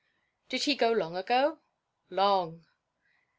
"Did he go long ago?" "Long."